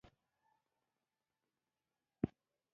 زه شین چای څښم